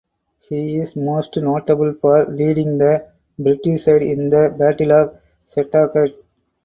He is most notable for leading the British side in the Battle of Setauket.